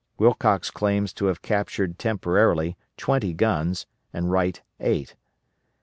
Wilcox claims to have captured temporarily twenty guns and Wright eight.